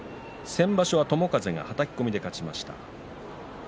先場所は友風がはたき込みで勝ちました。